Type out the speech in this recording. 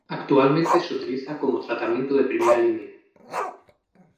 Actualmente se utiliza como tratamiento de primera línea.